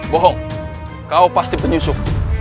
bohong kau pasti penyusup